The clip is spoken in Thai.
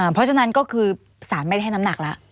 เพราะฉะนั้นสารไม่ได้ให้น้ำหนักละ